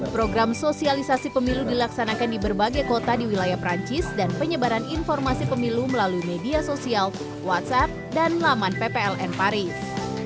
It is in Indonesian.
program sosialisasi pemilu dilaksanakan di berbagai kota di wilayah perancis dan penyebaran informasi pemilu melalui media sosial whatsapp dan laman ppln paris